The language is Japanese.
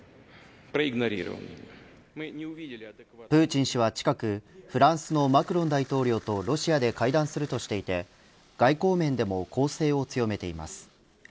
プーチン氏は、近くフランスのマクロン大統領とロシアで会談するとしていて外交面でも攻勢を強めています。